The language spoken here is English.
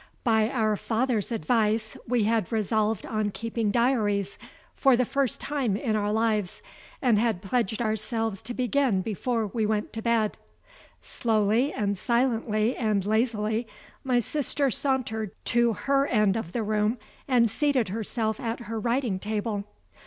By our father's advice we had resolved on keeping diaries, for the first time in our lives, and had pledged ourselves to begin before we went to bed. Slowly and silently and lazily, my sister sauntered to her end of the room and seated herself at her writing table.